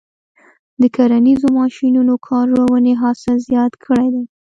د کرنیزو ماشینونو کارونې حاصل زیات کړی دی.